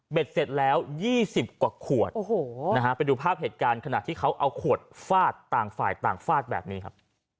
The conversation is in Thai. เสร็จแล้ว๒๐กว่าขวดโอ้โหนะฮะไปดูภาพเหตุการณ์ขณะที่เขาเอาขวดฟาดต่างฝ่ายต่างฟาดแบบนี้ครับ